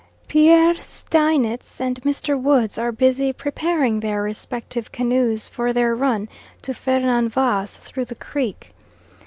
Pere Steinitz and Mr. Woods are busy preparing their respective canoes for their run to Fernan Vaz through the creek.